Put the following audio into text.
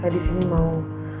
saya disini mau